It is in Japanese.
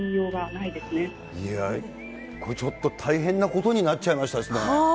いや、これちょっと大変なことになっちゃいましたね。